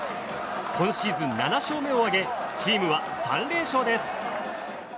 今シーズン７勝目を挙げチームは３連勝です。